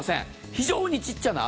非常にちっちゃな泡。